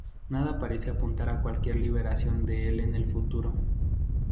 Nada parece apuntar a cualquier liberación de el en el futuro.